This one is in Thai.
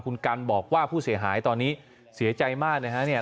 คุณกันบอกว่าผู้เสียหายตอนนี้เสียใจมากนะฮะเนี่ย